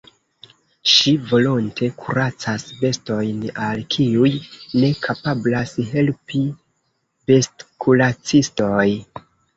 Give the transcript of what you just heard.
Ŝi volonte kuracas bestojn, al kiuj ne kapablas helpi bestkuracistoj.